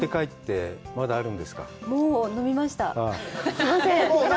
すみません。